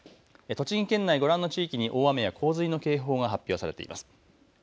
栃木県内、ご覧の地域に大雨や洪水の警報が発表されています。